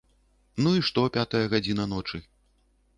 Ну і што пятая гадзіна ночы.